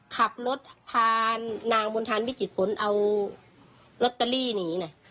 ขับรถพานางบนทานวิจิตผลเอาลอตเตอรี่หนีนะ